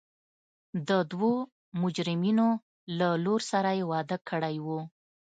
د دوو مجرمینو له لور سره یې واده کړی و.